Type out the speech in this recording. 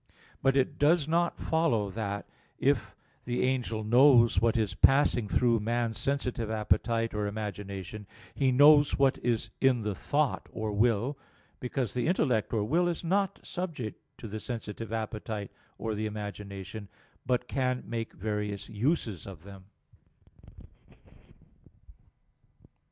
But it does not follow that, if the angel knows what is passing through man's sensitive appetite or imagination, he knows what is in the thought or will: because the intellect or will is not subject to the sensitive appetite or the imagination, but can make various uses of them.